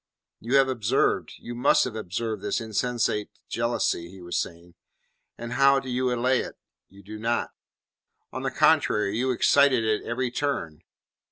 "You have observed you must have observed this insensate jealousy," he was saying, "and how do you allay it? You do not. On the contrary, you excite it at every turn.